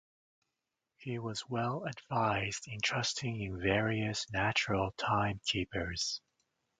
He was well advised in trusting in various natural timekeepers.